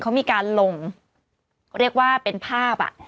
เขามีการลงเรียกว่าเป็นภาพ